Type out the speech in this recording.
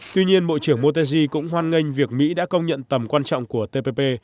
tuy nhiên bộ trưởng motegi cũng hoan nghênh việc mỹ đã công nhận tầm quan trọng của tpp